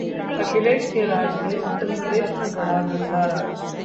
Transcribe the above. अखिलेश के राज में उत्तर प्रदेश में बढ़ा 'गुंडा-राज'